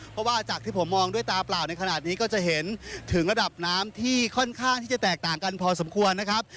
เพราะว่าจากที่ผมมองด้วยตาเปล่าในขณะนี้ก็จะเห็นถึงระดับน้ำที่ค่อนข้างที่จะแตกต่างกันพอสมควรนะครับ